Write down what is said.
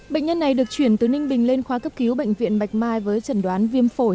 bệnh nhân này được chuyển từ ninh bình lên khoa cấp cứu bệnh viện bạch mai với trần đoán viêm phổi